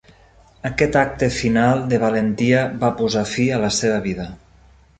Aquest acte final de valentia va posar fi a la seva vida.